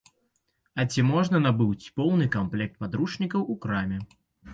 А ці можна набыць поўны камплект падручнікаў у краме?